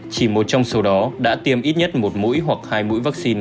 chỉ một trong số đó đã tiêm ít nhất một mũi hoặc hai mũi vaccine